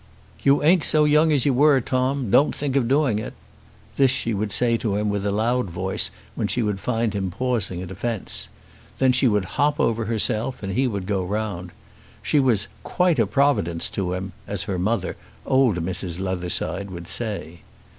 "You ain't so young as you were, Tom. Don't think of doing it." This she would say to him with a loud voice when she would find him pausing at a fence. Then she would hop over herself and he would go round. She was "quite a providence to him," as her mother, old Mrs. Leatherside, would say.